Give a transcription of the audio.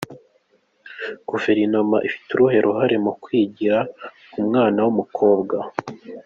Guverinoma ifite uruhe ruhare mu “Kwigira” k’umwana w’umukobwa?.